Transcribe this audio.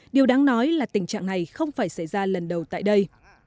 điều đáng nói là tình trạng này không phải xảy ra lần đầu tại đây